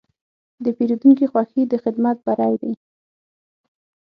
د پیرودونکي خوښي د خدمت بری دی.